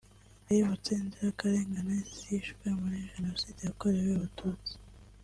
bibutse inzirakarengane zishwe muri Jenoside yakorewe Abatutsi